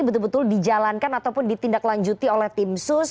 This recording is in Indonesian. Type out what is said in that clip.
betul betul dijalankan ataupun ditindaklanjuti oleh tim sus